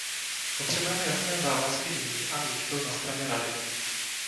Potřebujeme jasné závazky nyní a míč byl na straně Rady.